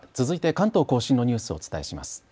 続いて関東甲信のニュースをお伝えします。